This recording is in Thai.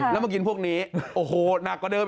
แล้วมากินพวกนี้โอ้โหหนักกว่าเดิม